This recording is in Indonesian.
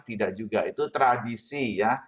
tidak juga itu tradisi ya